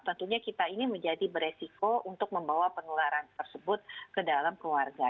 tentunya kita ini menjadi beresiko untuk membawa penularan tersebut ke dalam keluarga